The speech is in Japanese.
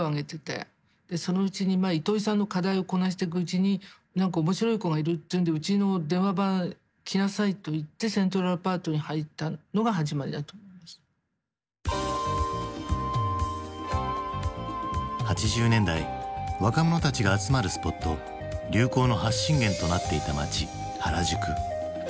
そのうちに糸井さんの課題をこなしてくうちに何か面白い子がいるっていうんでうちの電話番来なさいといって８０年代若者たちが集まるスポット流行の発信源となっていた街原宿。